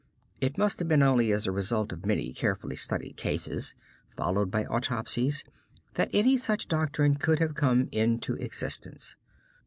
It must have been only as the result of many carefully studied cases, followed by autopsies, that any such doctrine could have come into existence.